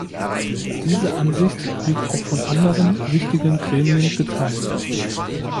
Diese Ansicht wird auch von anderen wichtigen Gremien geteilt.